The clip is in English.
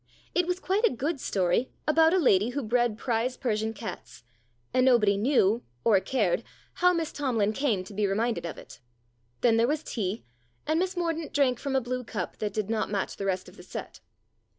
It was quite a good story, about a lady who bred prize Persian cats, and nobody knew (or cared) how THE DOLL 177 Miss Tomlin came to be reminded of it. Then there was tea, and Miss Mordaunt drank from a blue cup that did not match the rest of the set.